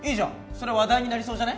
それ話題になりそうじゃね？